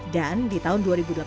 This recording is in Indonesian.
dan di tahun dua ribu delapan belas